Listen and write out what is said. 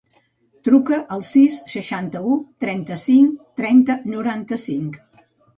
Truca al sis, seixanta-u, trenta-cinc, trenta, noranta-cinc.